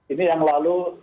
ini yang lalu